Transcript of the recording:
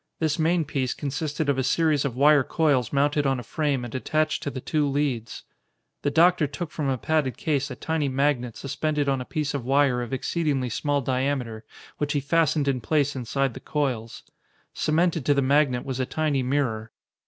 This main piece consisted of a series of wire coils mounted on a frame and attached to the two leads. The doctor took from a padded case a tiny magnet suspended on a piece of wire of exceedingly small diameter which he fastened in place inside the coils. Cemented to the magnet was a tiny mirror.